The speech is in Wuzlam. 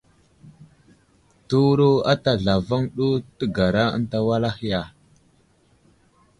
Təwuro ata zlavaŋ ɗu təgara ənta wal ahe ya ?